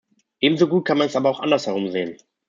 Ebensogut kann man es aber auch andersherum sehen.